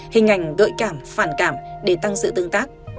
hình ảnh gợi cảm phản cảm để tăng sự tương tác